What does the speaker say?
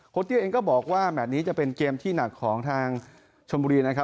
เตี้ยเองก็บอกว่าแมทนี้จะเป็นเกมที่หนักของทางชมบุรีนะครับ